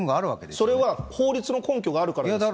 それは、法律の根拠があるからですよ。